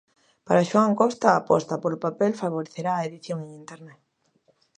Para Xoán Costa a aposta polo papel favorecerá a edición en internet.